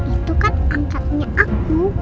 itu kan angkatnya aku